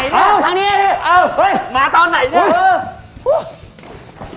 ทางไหนอ้าวทางนี้มาตอนไหนเนี่ย